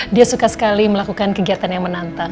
dia suka sekali melakukan kegiatan yang menantang